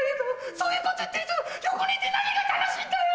そういうこと言ってる人と横にいて何が楽しいんだよ！